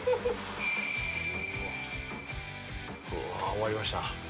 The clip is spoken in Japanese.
終わりました